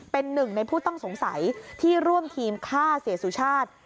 เป็นหนึ่งในผู้ต้องสงสัยที่ร่วมทีมฆ่าเสียสุชาติ